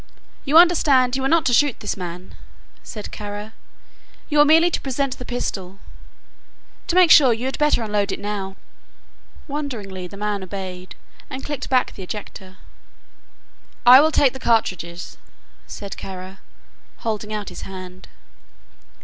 "You understand, you are not to shoot this man," said Kara. "You are merely to present the pistol. To make sure, you had better unload it now." Wonderingly the man obeyed, and clicked back the ejector. "I will take the cartridges," said Kara, holding out his hand.